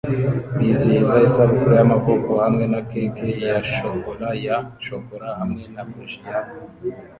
bizihiza isabukuru y'amavuko hamwe na cake ya shokora ya shokora hamwe na buji yaka